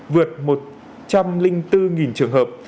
vượt một trăm linh bốn trường hợp